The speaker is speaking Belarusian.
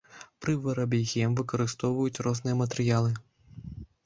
Пры вырабе гем выкарыстоўваюць розныя матэрыялы.